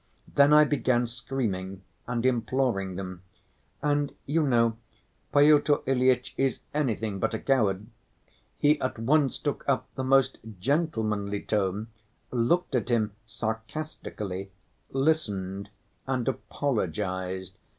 Then I began screaming and imploring them. And, you know, Pyotr Ilyitch is anything but a coward. He at once took up the most gentlemanly tone, looked at him sarcastically, listened, and apologized.